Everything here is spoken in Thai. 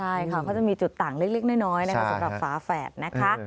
ใช่เค้าจะมีจุดต่างเล็กน้อยสำหรับฝาแฝดนะครับ